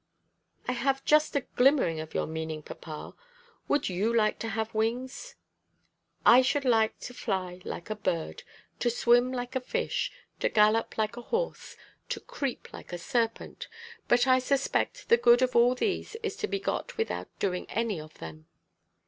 "I have just a glimmering of your meaning, papa. Would you like to have wings?" "I should like to fly like a bird, to swim like a fish, to gallop like a horse, to creep like a serpent, but I suspect the good of all these is to be got without doing any of them."